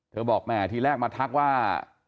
บอกแม่ทีแรกมาทักว่า